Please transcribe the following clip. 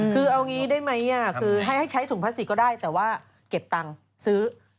คือเอางี้ได้ไหมคือให้ใช้ถุงพลาสติกก็ได้แต่ว่าเก็บตังค์ซื้อ